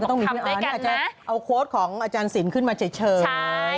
อันนี้อาจจะเอาโค้ดของอาจารย์สินค์ขึ้นมาเฉย